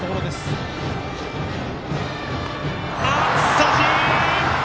三振！